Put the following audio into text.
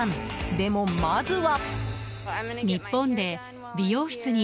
でも、まずは。